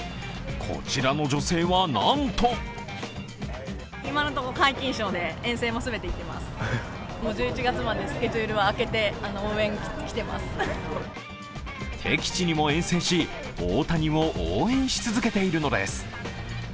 こちらの女性はなんと敵地にも遠征し、大谷を応援し続けているのです。